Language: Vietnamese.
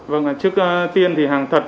vâng trước tiên thì hàng thật